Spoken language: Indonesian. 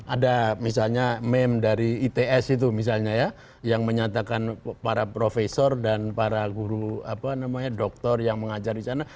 ada misalnya meme dari its itu misalnya ya yang menyatakan para profesor dan para guru apa namanya doktor yang mengajar di sana